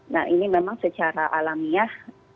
nah ini memang secara alamiah